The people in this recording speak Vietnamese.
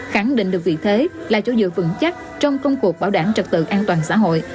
khẳng định được vị thế là chỗ dựa vững chắc trong công cuộc bảo đảm trật tự an toàn xã hội